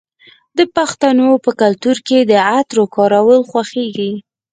د پښتنو په کلتور کې د عطرو کارول خوښیږي.